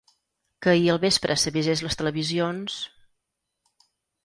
Que ahir al vespre s’avisés les televisions…